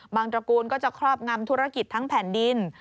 ตระกูลก็จะครอบงำธุรกิจทั้งแผ่นดิน